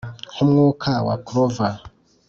nkumwuka wa clover!